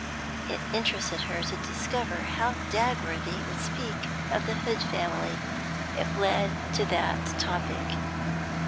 It interested her to discover how Dagworthy would speak of the Hood family, if led to that topic.